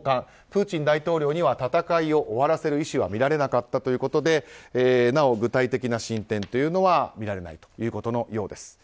プーチン大統領には戦いを終わらせる意思は見られなかったということでなお具体的な進展は見られないということのようです。